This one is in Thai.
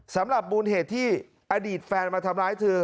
สำหรับมูลเหตุที่อดีตแฟนมาทำร้ายเธอ